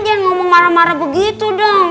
dia ngomong marah marah begitu dong